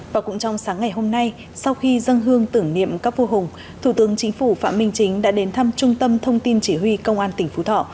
và cũng trong sáng ngày hôm nay sau khi dân hương tưởng niệm các vô hùng thủ tướng chính phủ phạm minh chính đã đến thăm trung tâm thông tin chỉ huy công an tỉnh phú thọ